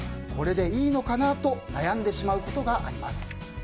これでいいのかなと悩んでしまうことがあります。